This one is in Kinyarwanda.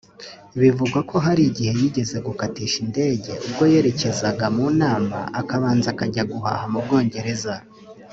Bivugwa ko hari igihe yigeze gukatisha indege ubwo yerekezaga mu nama akabanza akajya guhaha mu Bwongereza